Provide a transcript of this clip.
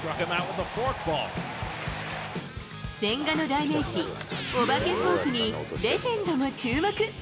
千賀の代名詞、お化けフォークに、レジェンドも注目。